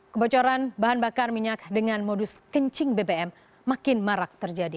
kebocoran bahan bakar minyak dengan modus kencing bbm makin marak terjadi